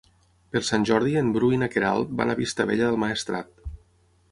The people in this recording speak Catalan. Per Sant Jordi en Bru i na Queralt van a Vistabella del Maestrat.